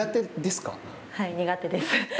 はい、苦手です。